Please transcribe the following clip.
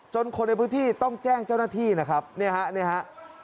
คนในพื้นที่ต้องแจ้งเจ้าหน้าที่นะครับเนี่ยฮะเนี่ยฮะ